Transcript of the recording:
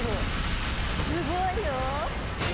すごいよ！